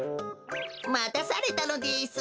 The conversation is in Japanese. またされたのです。